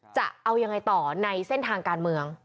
จะเอายังไงต่อในเส้นทางการเมือง